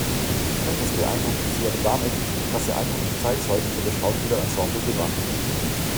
Menges beeindruckte sie aber damit, dass er einheimische Zeitzeugen für das Schauspielensemble gewann.